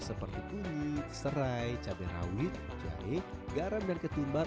seperti kunyit serai cabai rawit jahe garam dan ketumbar